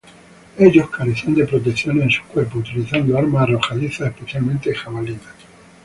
Ellos carecían de protecciones en sus cuerpos, utilizando armas arrojadizas, especialmente jabalinas.